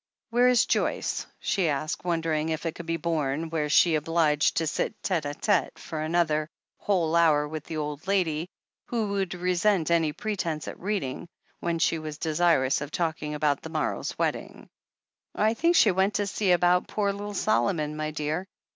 "Where is Joyce ?" she asked, wondering if it could be borne, were she obliged to sit tete d tete for another 462 THE HEEL OF ACHILLES whole hour with the old lady, who would resent any pretence at reading, when she was desirous of talking about the morrow's wedding. "I think she went to see about poor little Solomon, my dear.